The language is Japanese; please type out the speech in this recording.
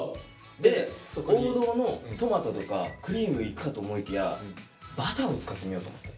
で王道のトマトとかクリームいくかと思いきやバターを使ってみようと思って。